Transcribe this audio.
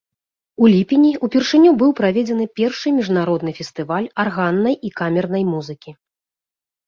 У ліпені ўпершыню быў праведзены першы міжнародны фестываль арганнай і камернай музыкі.